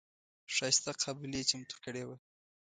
ښایسته قابلي یې چمتو کړې وه.